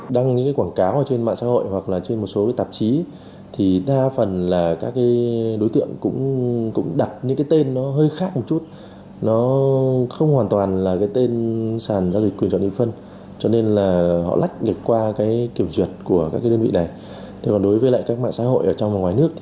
đối với các mạng xã hội ở trong và ngoài nước